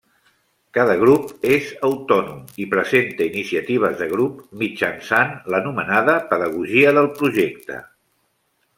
Cada grup és autònom i presenta iniciatives de grup, mitjançant l'anomenada Pedagogia del Projecte.